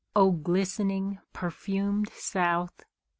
O glistening, perfumed South!